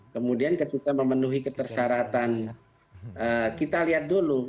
kemudian ketika memenuhi ketersyaratan kita lihat dulu